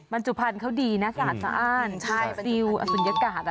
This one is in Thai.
มันจุภัณฑ์เขาดีนะสะอ้านซิลสุดยากาศ